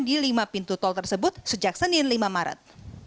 di lima pintu tol tersebut sejak senin lima maret